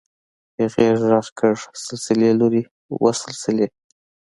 هغې غږ کړ سلسلې لورې وه سلسلې.